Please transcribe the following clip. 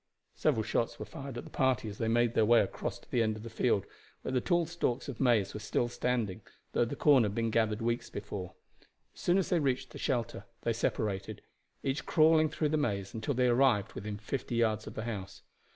Several shots were fired at the party as they made their way across to the end of the field, where the tall stalks of maize were still standing, though the corn had been gathered weeks before. As soon as they reached the shelter they separated, each crawling through the maize until they arrived within fifty yards of the house.